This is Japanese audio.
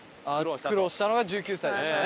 苦労したのが１９歳でしたね。